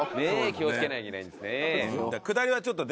気をつけなきゃいけないんですね。